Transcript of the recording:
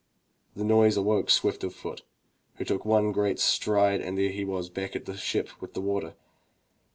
The noise awoke Swift of foot, who took one great stride and there he was back at the ship with the water.